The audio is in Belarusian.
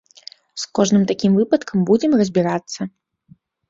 З кожным такім выпадкам будзем разбірацца.